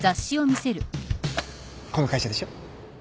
この会社でしょ？